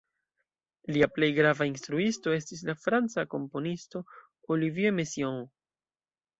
Lia plej grava instruisto estis la franca komponisto Olivier Messiaen.